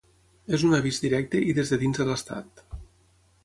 És un avís directe i des de dins de l’estat.